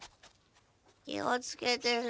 気をつけてね。